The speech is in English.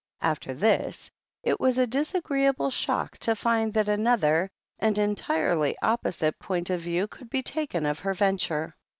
After this, it was a disagreeable shock to find that another, and entirely opposite, point of view could be taken of her venture.